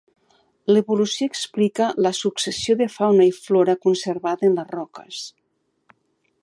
L'evolució explica la successió de fauna i flora conservada en les roques.